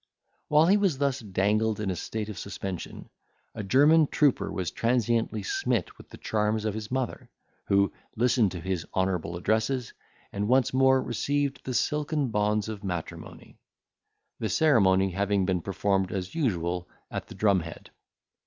While he was thus dangled in a state of suspension, a German trooper was transiently smit with the charms of his mother, who listened to his honourable addresses, and once more received the silken bonds of matrimony; the ceremony having been performed as usual at the drum head.